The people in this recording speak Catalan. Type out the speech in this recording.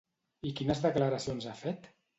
I quines declaracions ha fet?